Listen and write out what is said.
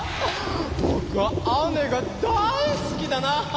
ぼくは雨がだいすきだな。